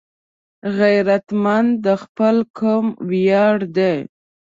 غیرتمند د خپل قوم ویاړ دی